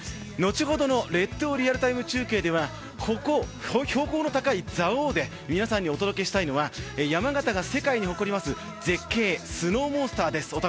後ほどの「列島リアルＴＩＭＥ！中継」ではここ、標高の高い蔵王で皆さんにお届けしたいのは山形が世界に誇ります絶景スノーモンスターです。